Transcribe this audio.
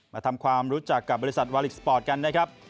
มาทำความรู้จักกับบริษัทวาลิกสปอร์ตกันนะครับ